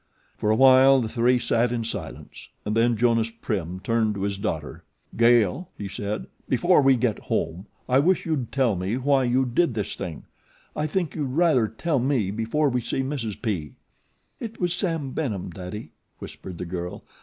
For a while the three sat in silence; and then Jonas Prim turned to his daughter. "Gail," he said, "before we get home I wish you'd tell me why you did this thing. I think you'd rather tell me before we see Mrs. P." "It was Sam Benham, Daddy," whispered the girl.